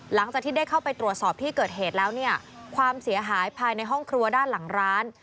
หลังจากที่ได้เข้าไปตรวจสอบที่เกิดเหตุแล้วเนี่ยความเสียหายภายในห้องครัวด้านหลังร้าน